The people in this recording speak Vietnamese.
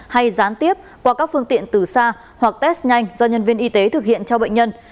hay gián tiếp qua các phương tiện từ xa hoặc test nhanh do nhân viên y tế thực hiện cho bệnh nhân